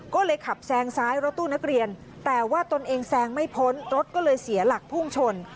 ก็เลยขับแซงซ้ายรถตู้นักเรียนแต่ว่าตนเองแซงไม่พ้นรถก็เลยเสียหลักพุ่งชน